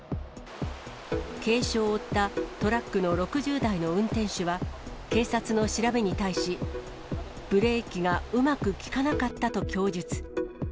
軽傷を負ったトラックの６０代の運転手は、警察の調べに対し、ブレーキがうまく利かなかったと供述。